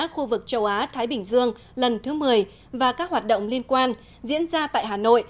khu vực châu á thái bình dương lần thứ một mươi và các hoạt động liên quan diễn ra tại hà nội